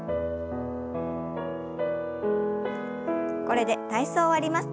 これで体操を終わります。